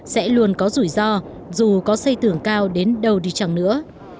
sẽ luôn có rủi ro dù có xây tường cao đến đâu đi chăng nữa